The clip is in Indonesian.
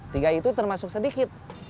tiga itu termasuk sedikit